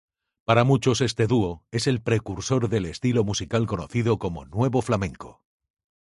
Para muchos este dúo es el precursor del estilo musical conocido como "nuevo flamenco".